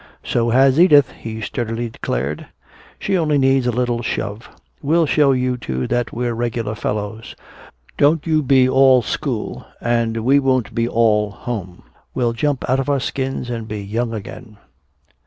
"So has Edith," he sturdily declared. "She only needs a little shove. We'll show you two that we're regular fellows. Don't you be all school and we won't be all home. We'll jump out of our skins and be young again."